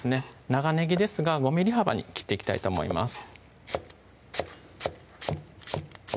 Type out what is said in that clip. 長ねぎですが５ｍｍ幅に切っていきたいと思います